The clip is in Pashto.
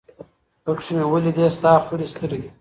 پكښي مي وليدې ستا خړي سترګي